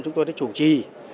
chúng tôi đã chủ trì